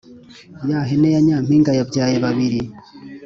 Yahene yanyampinga yabyaye babiri